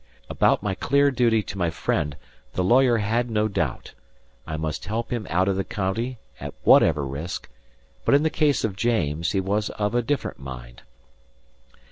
About my clear duty to my friend, the lawyer had no doubt. I must help him out of the county at whatever risk; but in the case of James, he was of a different mind.